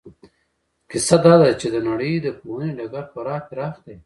کیسه دا ده چې د نړۍ د پوهنې ډګر خورا پراخ دی.